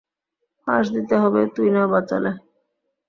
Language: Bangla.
ফাঁস দিতে হবে তুই না বাঁচালে।